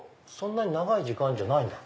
そんなに長い時間じゃない。